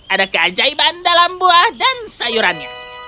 ada keajaiban dalam buah dan sayurannya